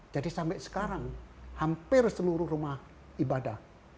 jadi sampai sekarang hampir seluruh rumah ibadah